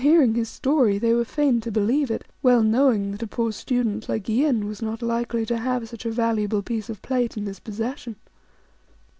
31 ing his story, they were fain to believe it, well knowing that a poor student like Yin was not likely to have such a valuable piece of plate in his possession.